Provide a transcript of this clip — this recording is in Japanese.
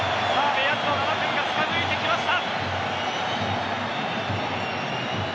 目安の７分が近づいてきました。